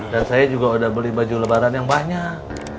saya juga udah beli baju lebaran yang banyak